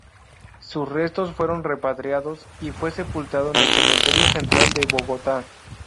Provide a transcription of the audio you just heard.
Sus restos fueron repatriados y fue sepultado en el Cementerio Central de Bogotá.